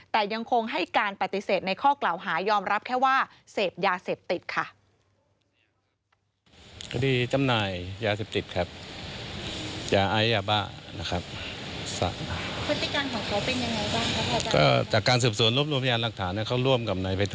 แต่ยังคงให้การปฏิเสธในข้อกล่าวหายอมรับแค่ว่าเสพยาเสพติดค่ะ